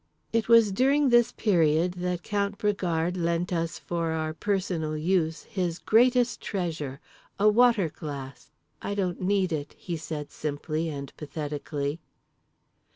It was during this period that Count Bragard lent us for our personal use his greatest treasure, a water glass. "I don't need it," he said simply and pathetically.